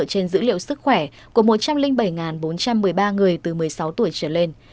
trên dữ liệu sức khỏe của một trăm linh bảy bốn trăm một mươi ba người từ một mươi sáu tuổi trở lên